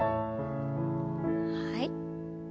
はい。